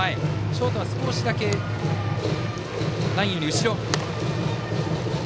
ショートは少しだけラインより後ろ。